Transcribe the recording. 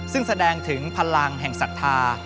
ซึ่งแสดงถึงพลังแห่งศรัทธา